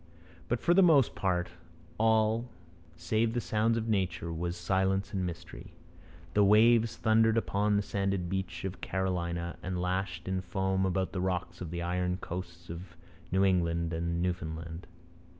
But for the most part all, save the sounds of nature, was silence and mystery. The waves thundered upon the sanded beach of Carolina and lashed in foam about the rocks of the iron coasts of New England and the New Found Land.